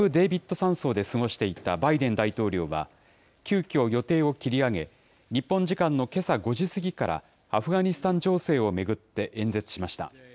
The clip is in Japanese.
山荘で過ごしていたバイデン大統領は、急きょ予定を切り上げ、日本時間のけさ５時過ぎから、アフガニスタン情勢を巡って演説しました。